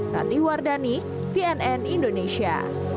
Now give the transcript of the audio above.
rati wardani tnn indonesia